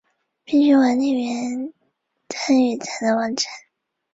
必须管理员参与才能完成。